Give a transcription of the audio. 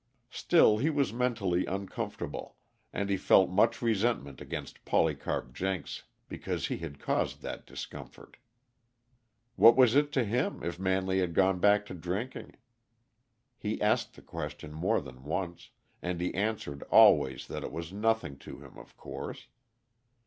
Still, he was mentally uncomfortable, and he felt much resentment against Polycarp Jenks because he had caused that discomfort. What was it to him, if Manley had gone bock to drinking? He asked the question more than once, and he answered always that it was nothing to him, of course.